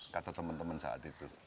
kata temen temen saat itu